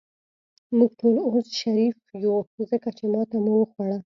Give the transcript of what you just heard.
موږ ټول اوس شریف یو، ځکه چې ماته مو وخوړه.